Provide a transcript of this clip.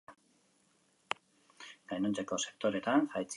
Gainontzeko sektoreetan jaitsierak izan dira.